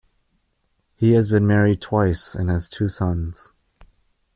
He has been married twice and has two sons.